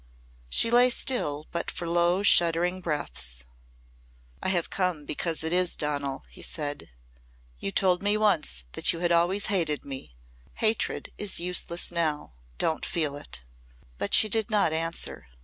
She lay still but for low shuddering breaths. "I have come because it is Donal," he said. "You told me once that you had always hated me. Hatred is useless now. Don't feel it." But she did not answer.